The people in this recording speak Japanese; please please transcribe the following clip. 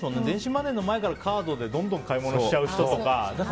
電子マネーの前からカードでどんどん買い物しちゃう人とか。